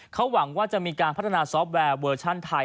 เขาหวังว่าจะมีการพัฒนาซอฟต์แวร์เวอร์ชั่นไทย